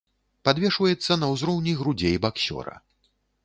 Падвешваецца на ўзроўні грудзей баксёра.